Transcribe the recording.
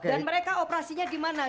dan mereka operasinya di mana